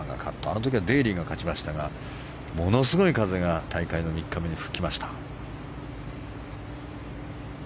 あの時はデーリーが勝ちましたがものすごい風が大会３日目に吹きました。